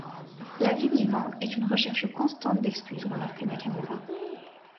La vie d'Ivan est une recherche constante d'excuses remarque Nakamoura.